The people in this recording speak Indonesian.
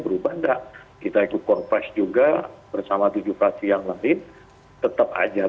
berubah tidak kita ikut korpres juga bersama tujuh praksi yang lain tetap saja